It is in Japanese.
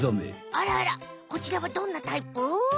あらあらこちらはどんなタイプ？